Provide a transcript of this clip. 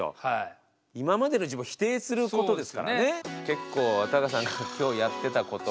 結構タカさんが今日やってたこと。